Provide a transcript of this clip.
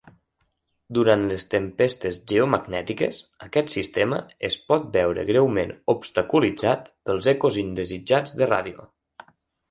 Durant les tempestes geomagnètiques, aquest sistema es pot veure greument obstaculitzat pels ecos indesitjats de ràdio.